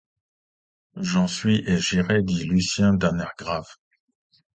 J’en suis et j’irai, dit Lucien d’un air grave.